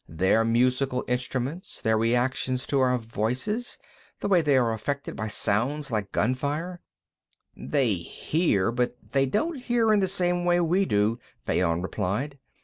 "Their musical instruments, their reactions to our voices, the way they are affected by sounds like gunfire " "They hear, but they don't hear in the same way we do," Fayon replied.